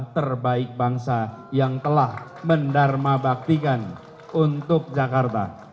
terbaik bangsa yang telah mendarmabaktikan untuk jakarta